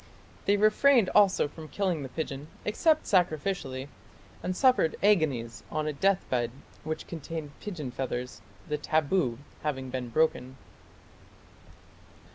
They refrained also from killing the pigeon except sacrificially, and suffered agonies on a deathbed which contained pigeon feathers, the "taboo" having been broken.